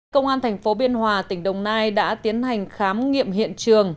công an thành phố biên hòa tỉnh đồng nai đã tiến hành khám nghiệm hiện trường